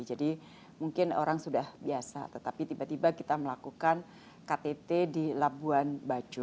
jadi mungkin orang sudah biasa tetapi tiba tiba kita melakukan ktt di labuan bajo